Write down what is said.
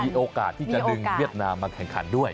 มีโอกาสที่จะดึงเวียดนามมาแข่งขันด้วย